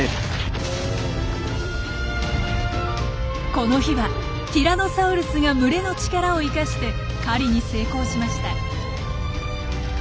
この日はティラノサウルスが群れの力を生かして狩りに成功しました。